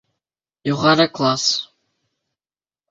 — Юғары класс!